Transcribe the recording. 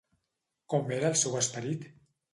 Com era el seu esperit?